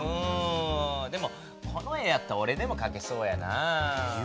でもこの絵やったらおれでもかけそうやな。